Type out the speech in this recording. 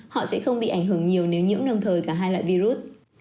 họ sẽ không bị ảnh hưởng nhiều nếu nhiễm đồng thời cả hai loại virus